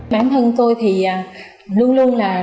bản thân tôi thì luôn luôn là